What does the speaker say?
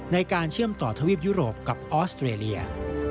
ในการเชื่อมต่อทวีปยุโรปกับออสเตรเลีย